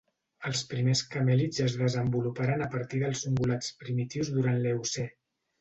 Els primers camèlids es desenvoluparen a partir dels ungulats primitius durant l'Eocè.